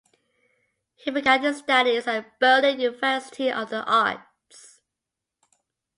He began his studies at the Berlin University of the Arts.